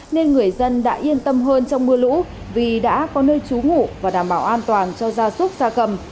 nên người dân đã yên tâm hơn trong mưa lũ vì đã có nơi trú ngủ và đảm bảo an toàn cho gia súc gia cầm